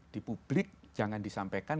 di publik jangan disampaikan